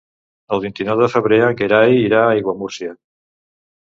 El vint-i-nou de febrer en Gerai irà a Aiguamúrcia.